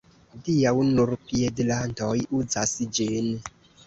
Hodiaŭ nur piedirantoj uzas ĝin.